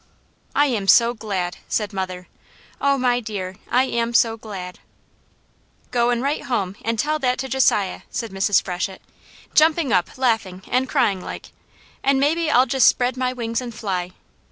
"I am so glad!" said mother. "Oh my dear, I am so glad!" "Goin' right home an' tell that to Josiah," said Mrs. Freshett, jumping up laughing and crying like, "an' mebby I'll jest spread wings and fly!